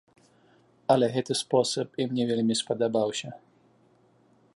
Але гэты спосаб ім не вельмі спадабаўся.